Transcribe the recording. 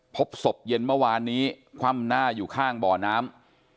พบศพเย็นเมื่อวานนี้คว่ำหน้าอยู่ข้างบ่อน้ำ